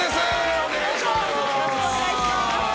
お願いします。